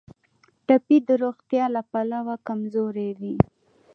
ټپي د روغتیا له پلوه کمزوری وي.